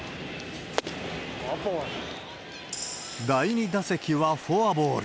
第２打席はフォアボール。